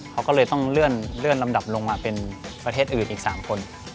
เขาก็เลยต้องเลื่อนลำดับลงมาเป็นประเทศอื่นอีก๓คน